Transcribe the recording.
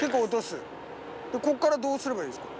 こっからどうすればいいですか？